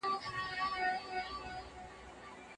ما نن يو نوی لغت زده کړ.